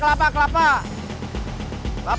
cerayam cerayam cerayam